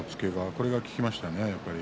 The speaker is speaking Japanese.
これが効きましたね。